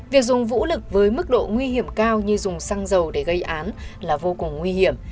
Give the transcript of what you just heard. việc dùng vũ lực với mức độ nguy hiểm cao như dùng xăng dầu để gây án là vô cùng nguy hiểm